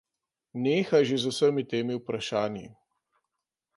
Nehaj že z vsemi temi vprašanji.